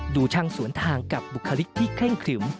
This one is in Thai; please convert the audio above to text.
ดูช่างสวนทางกับบุคลิกที่เคร่งครึม